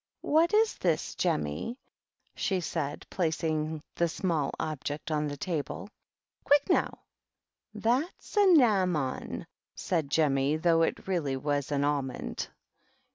" Wbat is this, Jemmy ?" she said, placing small object on the tabh " Quick now I" " That's a nammon," sai Jemmy, though it really wa an aflnond.